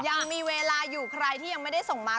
ยังมีเวลาอยู่ใครที่ยังไม่ได้ส่งมา